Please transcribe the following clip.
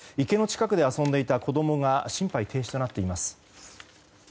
池の近くで遊んでいた子供が心肺停止となっています。